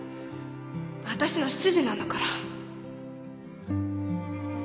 わたしの執事なんだから